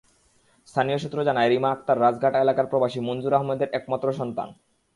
স্থানীয় সূত্র জানায়, রীমা আক্তার রাজঘাটা এলাকার প্রবাসী মনজুর আহমদের একমাত্র সন্তান।